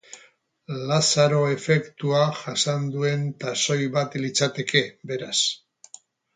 Lazaro efektua jasan duen taxoi bat litzateke, beraz.